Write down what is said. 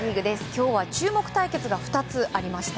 今日は注目対決が２つありました。